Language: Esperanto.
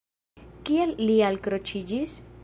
Kial li alkroĉiĝis?